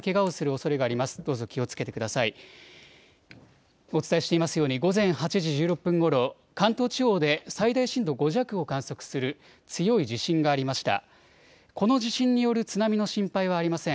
お伝えしていますように午前８時１６分ごろ、関東地方で最大震度５弱を観測する強い地震がありました。